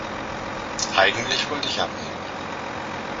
Eigentlich wollte ich abnehmen.